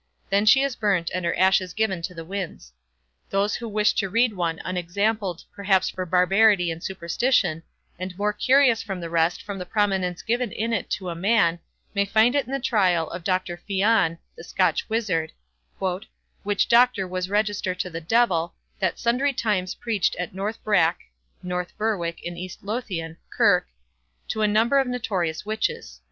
Then she is burnt and her ashes given to the winds. Those who wish to read one unexampled, perhaps for barbarity and superstition, and more curious than the rest from the prominence given in it to a man, may find it in the trial of Dr. Fian, the Scotch wizard, "which doctor was register to the Devil, that sundry times preached at North Baricke (North Berwick, in East Lothian) Kirke, to a number of notorious witches."